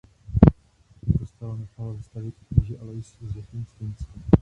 Kostel nechal vystavět kníže Alois z Lichtenštejna.